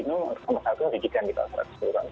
nomor satu adalah pendidikan di pasar seksual